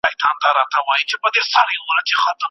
هر یو مي د زړه په خزانه کي دی منلی